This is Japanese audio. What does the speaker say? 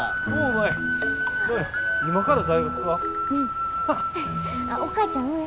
お母ちゃん上？